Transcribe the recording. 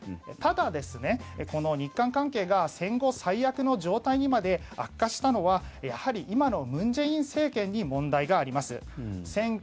ただ、この日韓関係が戦後最悪の状態にまで悪化したのはやはり今の文在寅政権に問題があります。